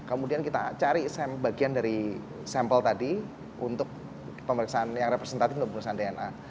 kemudian kita cari bagian dari sampel tadi untuk pemeriksaan yang representatif untuk pemeriksaan dna